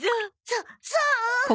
そそう？